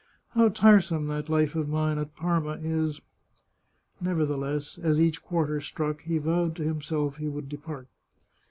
How tiresome that life of mine at Parma is !" Nevertheless, as each quarter struck, he vowed to himself he would depart.